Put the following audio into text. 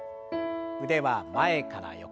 腕は前から横。